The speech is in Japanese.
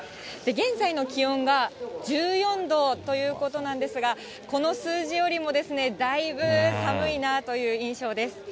現在の気温が１４度ということなんですが、この数字よりもですね、だいぶ寒いなという印象です。